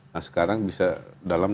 nah sekarang bisa dalam